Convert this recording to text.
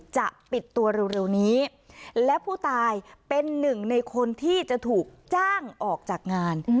จะปิดตัวเร็วนี้และผู้ตายเป็นหนึ่งในคนที่จะถูกจ้างออกจากงาน